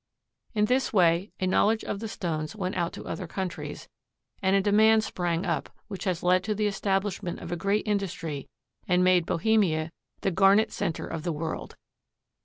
In this way a knowledge of the stones went out to other countries, and a demand sprang up which has led to the establishment of a great industry and made Bohemia the garnet center of the world.